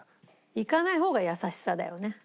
いかない方が優しさだよね。